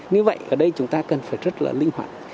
như vậy ở đây chúng ta cần phải rất là linh hoạt